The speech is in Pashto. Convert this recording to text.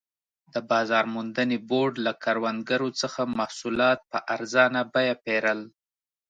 د بازار موندنې بورډ له کروندګرو څخه محصولات په ارزانه بیه پېرل.